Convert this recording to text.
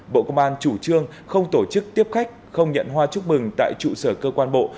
bộ công an chủ trương không tổ chức tiếp khách không nhận hoa chúc mừng tại trụ sở cơ quan bộ